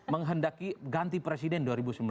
menghenti ganti presiden dua ribu sembilan belas